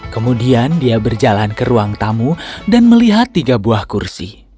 kemudian dia berjalan ke ruang tamu dan melihat tiga buah kursi